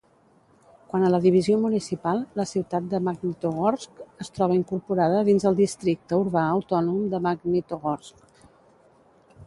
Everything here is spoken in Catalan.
Quant a la divisió municipal, la ciutat de Magnitogorsk es troba incorporada dins el districte urbà autònom de Magnitogorsk.